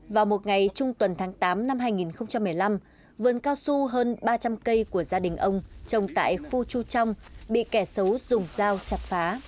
vào một ngày trung tuần tháng tám năm hai nghìn một mươi năm vườn cao su hơn ba trăm linh cây của gia đình ông trồng tại khu chu trong bị kẻ xấu dùng dao chặt phá